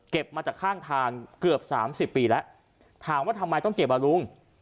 มาจากข้างทางเกือบสามสิบปีแล้วถามว่าทำไมต้องเก็บอ่ะลุง